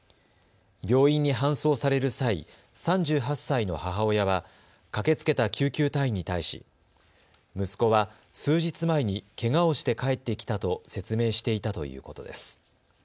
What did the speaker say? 病院に搬送される際、３８歳の母親は駆けつけた救急隊員に対し息子は数日前にけがをして帰ってきたと説明していたということです。